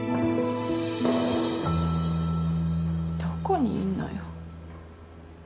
どこにいんのよ。